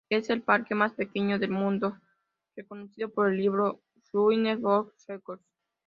Es el parque más pequeño del mundo, reconocido por el Libro "Guinness World Records".